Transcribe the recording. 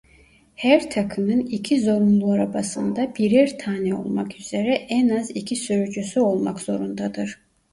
Her takımın iki zorunlu arabasında birer tane olmak üzere en az iki sürücüsü olmak zorundadır.